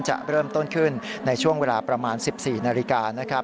จะเริ่มต้นขึ้นในช่วงเวลาประมาณ๑๔นาฬิกานะครับ